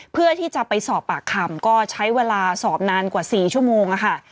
เพื่อที่จะไปสอบปากคำก็ใช้เวลาสอบนานกว่า๔ชั่วโมงค่ะ